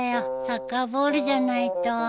サッカーボールじゃないと。